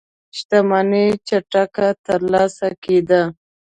شتمنۍ چټکه ترلاسه کېده.